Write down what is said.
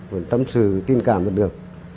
vẫn tâm sự tin cảm vẫn được